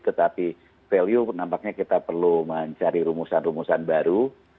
tetapi value nampaknya kita perlu mencari rumusan rumusan baru